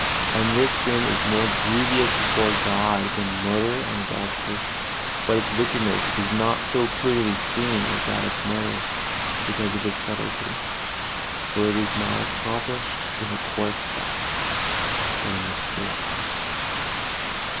And this sin is more grievous before God than murder and adultery; but its wickedness is not so clearly seen as that of murder, because of its subtilty, for it is not accomplished in the coarse flesh, but in the spirit.